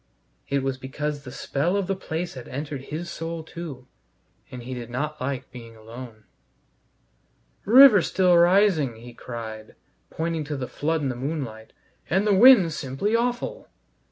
It was because the spell of the place had entered his soul too, and he did not like being alone. "River still rising," he cried, pointing to the flood in the moonlight, "and the wind's simply awful."